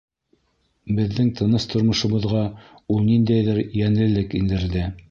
Беҙҙең тыныс тормошобоҙға ул ниндәйҙер йәнлелек индерҙе.